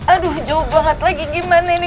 aduh jauh banget lagi gimana ini